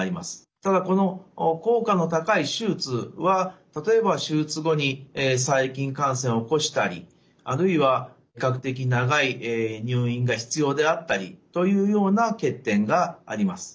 ただこの効果の高い手術は例えば手術後に細菌感染を起こしたりあるいは比較的長い入院が必要であったりというような欠点があります。